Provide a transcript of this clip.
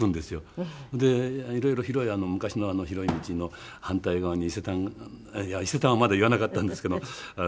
で色々昔の広い道の反対側に伊勢丹いや伊勢丹はまだ言わなかったんですけど。